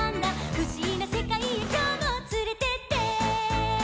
「ふしぎなせかいへきょうもつれてって！」